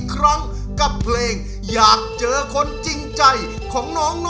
พร้ำนักพักผิงร่างกาย